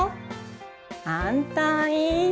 反対。